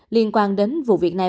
liên quan đến vụ việc này